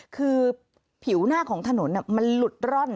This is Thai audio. คือผิวหน้าของถนนมันหลุดร่อน